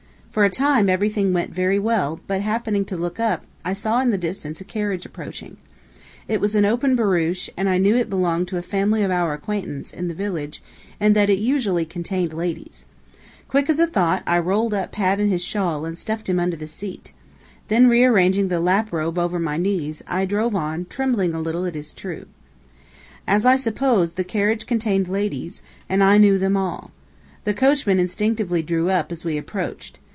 For a time, everything went very well, but happening to look up, I saw in the distance a carriage approaching. It was an open barouche, and I knew it belonged to a family of our acquaintance, in the village, and that it usually contained ladies. Quick as thought, I rolled up Pat in his shawl and stuffed him under the seat. Then rearranging the lap robe over my knees, I drove on, trembling a little, it is true. As I supposed, the carriage contained ladies, and I knew them all. The coachman instinctively drew up, as we approached.